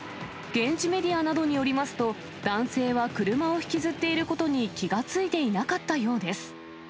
現地メディアなどによりますと、男性は車を引きずっていることに気が付いていなかったようです。